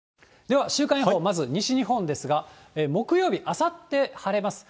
では、週間予報、まず西日本ですが、木曜日、あさって晴れます。